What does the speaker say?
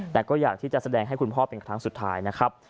แต่ก็อยากที่จะแสดงให้คุณพ่อเป็นครั้งสุดท้ายนะครับ